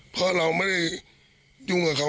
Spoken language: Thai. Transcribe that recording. เพราะเราไม่ได้ยุ่งกับเขา